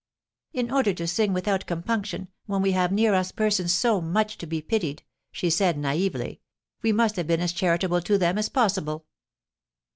"In order to sing without compunction, when we have near us persons so much to be pitied," she said, naïvely, "we must have been as charitable to them as possible."